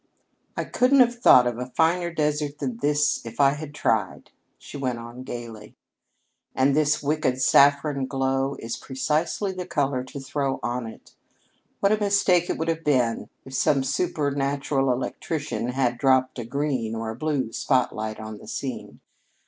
"I couldn't have thought of a finer desert than this if I had tried," she went on gayly. "And this wicked saffron glow is precisely the color to throw on it. What a mistake it would have been if some supernal electrician had dropped a green or a blue spot light on the scene!